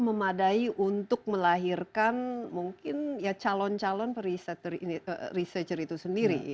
memadai untuk melahirkan mungkin calon calon riset itu sendiri